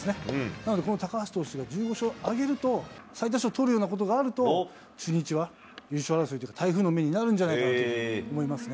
なので、この高橋投手が１５勝を挙げると、最多勝取るようなことがあると、中日は優勝争いというか、台風の目になるんじゃないかと思いますね。